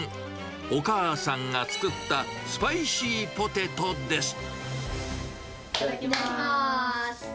お母さんが作ったスパイシーポテいただきます。